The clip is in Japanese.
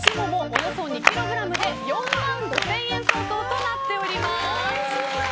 およそ２ｋｇで４万５０００円相当になります。